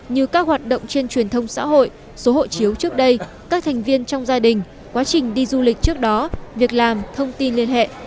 như các hoạt động trên truyền thông xã hội số hộ chiếu trước đây các thành viên trong gia đình quá trình đi du lịch trước đó việc làm thông tin liên hệ